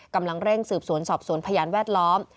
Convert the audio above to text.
กำลังเร่งสืบสวนสอบสวนพยานแวดล้อม